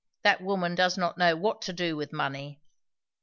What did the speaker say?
That woman does not know what to do with money."